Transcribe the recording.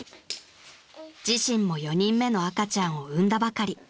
［自身も４人目の赤ちゃんを産んだばかり］